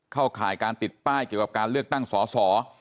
ข่ายการติดป้ายเกี่ยวกับการเลือกตั้งสอสอ